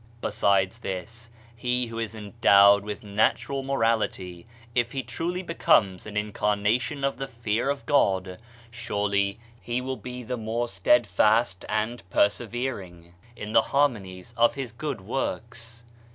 Besides this, he who is endowed with natural morally, if he truly becomes an incarnation of the fear of God, surely he will be the more stead fast and persevering in the harmonies of his good works.